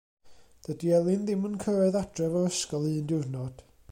Dydi Elin ddim yn cyrraedd adref o'r ysgol un diwrnod.